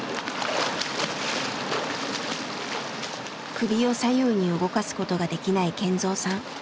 首を左右に動かすことができない健三さん。